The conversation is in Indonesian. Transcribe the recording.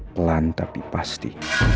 pelan tapi pasti